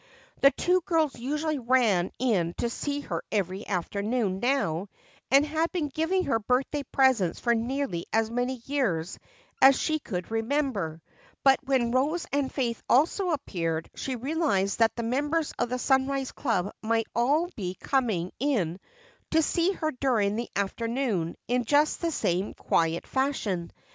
The two girls usually ran in to see her every afternoon now and had been giving her birthday presents for nearly as many years as she could remember, but when Rose and Faith also appeared she realized that the members of the Sunrise club might all be coming in to see her during the afternoon in just this same quiet fashion.